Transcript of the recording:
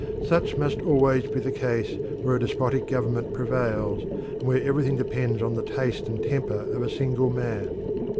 Such must always be the case where a despotic government prevails, and where everything depends on the taste and temper of a single man.